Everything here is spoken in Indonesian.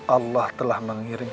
allah telah mengirisku